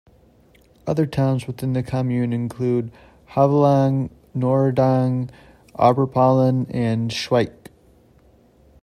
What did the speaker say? Other towns within the commune include Hovelange, Noerdange, Oberpallen, and Schweich.